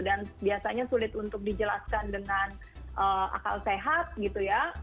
dan biasanya sulit untuk dijelaskan dengan akal sehat gitu ya